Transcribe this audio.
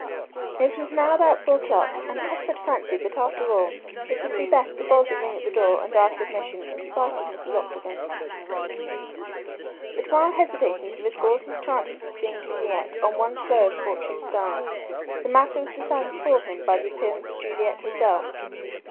It was now about four o'clock, and Cuthbert fancied that after all it would be best to boldly ring at the door and ask admission, in spite of Mrs. Octagon. But while hesitating to risk all his chances of seeing Juliet on one throw of fortune's dice, the matter was decided for him by the appearance of Juliet herself.